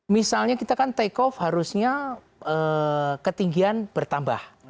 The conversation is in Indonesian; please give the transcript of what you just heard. misalnya kita kan take off harusnya ketinggian bertambah